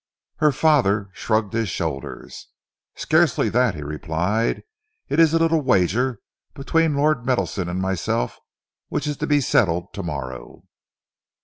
Her father shrugged his shoulders. "Scarcely that," he replied. "It is a little wager between Lord Meadowson and myself which is to be settled to morrow."